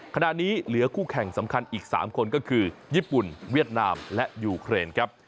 ขณะนี้เหลือคู่แข่งสำคัญอีก๓คนก็คือญี่ปุ่นเวียดนามและยูเครนครับ